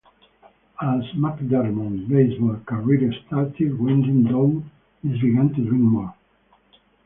As McDermott's baseball career started winding down, he began to drink more.